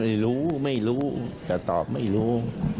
ไม่รู้ไม่รู้แต่ตอบไม่รู้